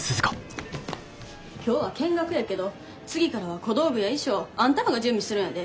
今日は見学やけど次からは小道具や衣装あんたらが準備するんやで。